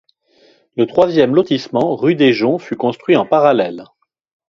Le troisième lotissement rue des Joncs fut construit en parallèle.